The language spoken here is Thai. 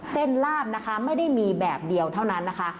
ลาบนะคะไม่ได้มีแบบเดียวเท่านั้นนะคะ